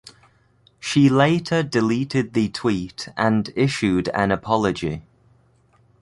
She later deleted the tweet and issued an apology.